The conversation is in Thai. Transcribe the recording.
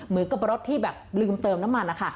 เหมือนกับรถที่แบบลืมเติมน้ำมันนะคะ